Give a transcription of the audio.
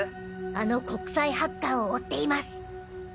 あの国際ハッカーを追っています。